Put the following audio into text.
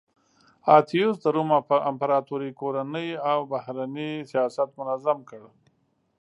اتیوس د روم امپراتورۍ کورنی او بهرنی سیاست منظم کړ